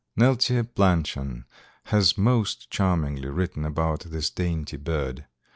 Neltje Blanchan has most charmingly written about this dainty bird.